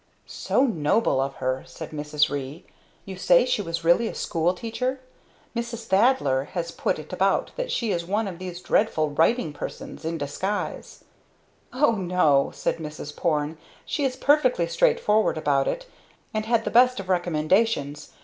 "So noble of her!" said Mrs. Ree. "You say she was really a school teacher? Mrs. Thaddler has put it about that she is one of these dreadful writing persons in disguise!" "O no," said Mrs. Porne. "She is perfectly straightforward about it, and had the best of recommendations.